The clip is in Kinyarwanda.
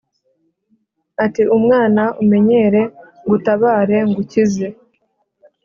ati mwana unyemere ngutabare ngukize